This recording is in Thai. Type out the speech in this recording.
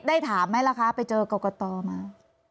ได้ถามไม่แล้วคะไปเจอกับก็ต่อมา